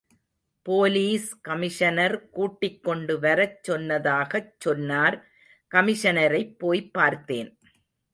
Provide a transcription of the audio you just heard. Police commissioner கூட்டிக் கொண்டு வரச் சொன்னதாகச் சொன்னார், கமிஷனரைப் போய்ப்பார்த்தேன்.